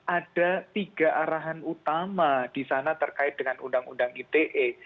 ada tiga arahan utama di sana terkait dengan undang undang ite